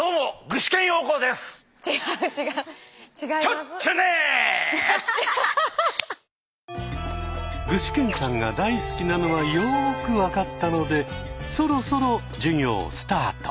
具志堅さんが大好きなのはよく分かったのでそろそろ授業スタート！